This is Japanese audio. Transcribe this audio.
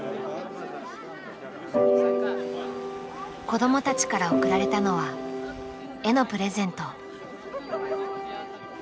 子どもたちから送られたのは絵のプレゼント。